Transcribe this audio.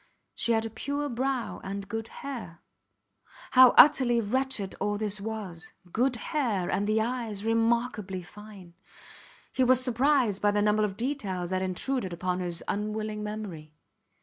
She had a pure brow and good hair. How utterly wretched all this was. Good hair and fine eyes remarkably fine. He was surprised by the number of details that intruded upon his unwilling memory.